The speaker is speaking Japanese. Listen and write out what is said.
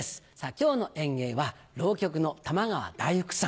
今日の演芸は浪曲の玉川太福さん。